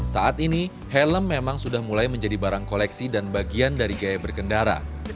saat ini helm memang sudah mulai menjadi barang koleksi dan bagian dari gaya berkendara